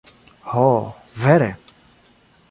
Ho, vere?